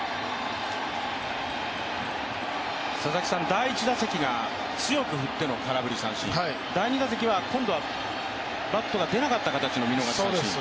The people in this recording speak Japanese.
第１打席が強く振っての空振り三振、第２打席は、今度はバットが出なかった形の見逃し三振。